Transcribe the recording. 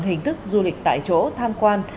hình thức du lịch tại chỗ tham quan